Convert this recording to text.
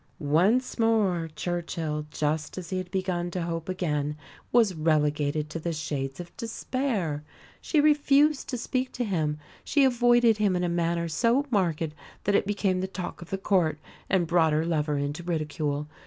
Once more Churchill, just as he had begun to hope again, was relegated to the shades of despair. She refused to speak to him, she avoided him in a manner so marked that it became the talk of the Court, and brought her lover into ridicule.